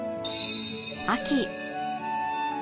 秋